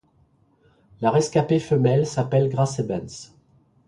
La rescapée femelle s'appelle Grace Evans.